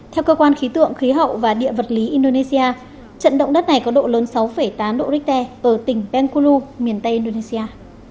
theo cơ quan khí tượng khí hậu và địa vật lý indonesia trận động đất này có độ lớn sáu tám độ richter ở tỉnh penku miền tây indonesia